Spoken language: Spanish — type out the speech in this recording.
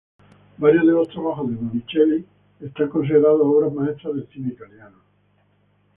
Varios de los trabajos de Monicelli son considerados obras maestras del cine italiano.